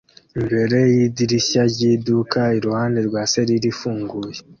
imbere yidirishya ry iduka iruhande rwa selire ifunguye